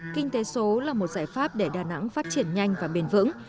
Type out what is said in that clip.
kinh tế số là một giải pháp để đà nẵng phát triển nhanh và bền vững